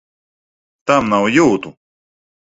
Tam nav jūtu!